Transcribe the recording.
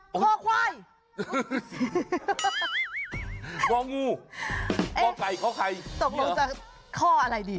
เพ้าไข่ข้วงู้ข้วไก่ข้วไข่ตกลงจากข้ออะไรดี